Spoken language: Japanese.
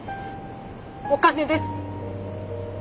お金です。